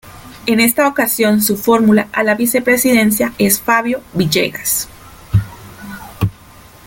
En esta ocasión su fórmula a la vicepresidencia es Fabio Villegas.